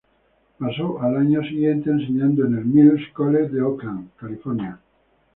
Pasó el año siguiente enseñando en el Mills College de Oakland, California.